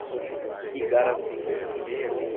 Igaracy